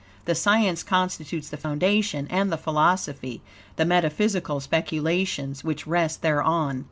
The science constitutes the foundation, and the philosophy, the metaphysical speculations, which rest thereon.